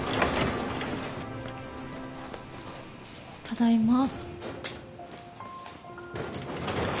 ただいま。